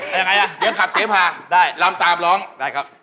ยังไงอ่ะเดี๋ยวขับเสพาได้ลำตามร้องได้ครับ